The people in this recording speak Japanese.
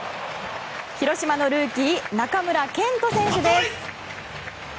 広島のルーキー中村健人選手です。